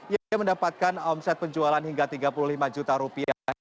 ia mendapatkan omset penjualan hingga tiga puluh lima juta rupiah